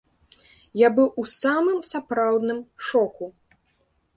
Я быў у самым сапраўдным шоку.